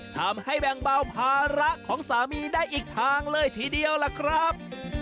ทำให้แบ่งเบาภาระของสามีได้อีกทางเลยทีเดียวล่ะครับ